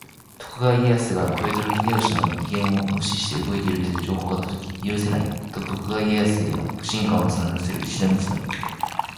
徳川家康が豊臣秀吉の遺言を無視して動いているという情報が届き、「許せない！」と徳川家康への不信感を募らせる石田三成。